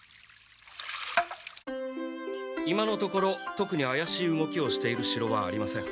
今のところとくにあやしい動きをしているしろはありません。